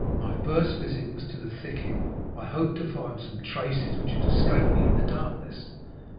My first visit was to the thicket. I hoped to find some traces which had escaped me in the darkness.